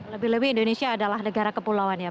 lebih lebih indonesia adalah negara kepulauan ya